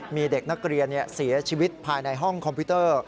มีเด็กนักเรียนเสียชีวิตภายในห้องคอมพิวเตอร์